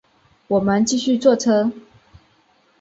我们继续坐车